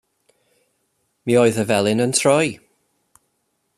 Mi oedd y felin yn troi.